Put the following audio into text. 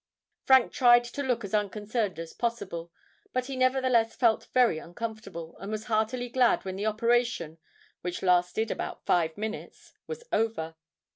Frank tried to look as unconcerned as possible; but he nevertheless felt very uncomfortable, and was heartily glad when the operation, which lasted about five minutes, was over.